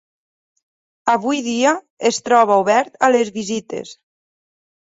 Avui dia es troba obert a les visites.